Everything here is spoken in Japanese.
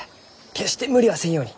決して無理はせんように。